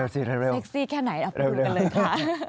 เสคซีแค่ไหนพิวเร็วกันเลยค่ะ